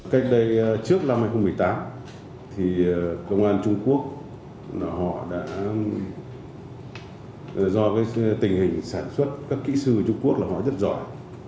cách đây trước năm hai nghìn một mươi tám công an trung quốc do tình hình sản xuất các kỹ sư trung quốc là họ rất giỏi